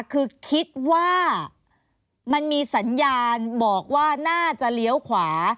คือคิดว่ามันมีสัญญาณบอกว่าน่าจะเลี้ยวขวา